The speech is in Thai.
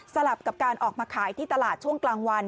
ลับกับการออกมาขายที่ตลาดช่วงกลางวัน